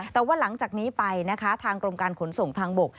แต่ว่าหลังจากนี้ไปนะคะทางกรมการขนส่งทางบก